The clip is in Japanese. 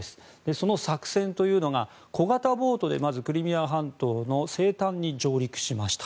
その作戦というのが小型ボートでクリミア半島のまず西端に上陸しました。